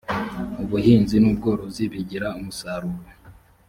ubuhinzi nubworozi bigira umusaruro.